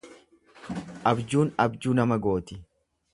Abjuun abjuu nama gooti.